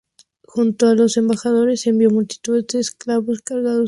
Junto con los embajadores, envió multitud de esclavos cargados de presentes.